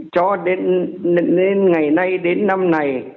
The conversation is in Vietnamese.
cho đến ngày nay đến năm này